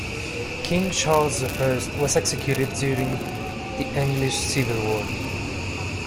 King Charles the First was executed during the English Civil War